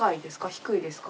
低いですか？